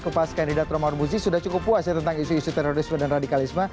kupas kandidat romahur muzi sudah cukup puas ya tentang isu isu terorisme dan radikalisme